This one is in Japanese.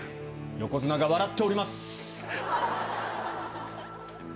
横綱が笑っております！